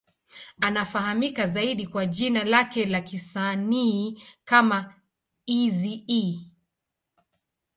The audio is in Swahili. Anafahamika zaidi kwa jina lake la kisanii kama Eazy-E.